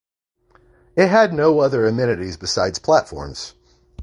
It had no other amenities besides platforms.